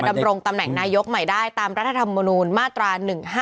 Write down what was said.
ดำรงตำแหน่งนายกใหม่ได้ตามรัฐธรรมนูลมาตรา๑๕